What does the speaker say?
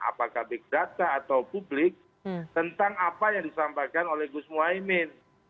apakah big data atau publik tentang apa yang disampaikan oleh gus muhaimin